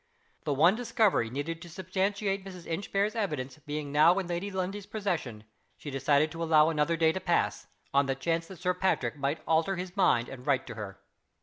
The one discovery needed to substantiate Mrs. Inchbare's evidence being now in Lady Lundie's possession, she decided to allow another day to pass on the chance that Sir Patrick might al ter his mind, and write to her.